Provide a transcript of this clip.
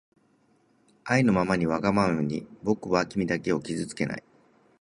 あいのままにわがままにぼくはきみだけをきずつけない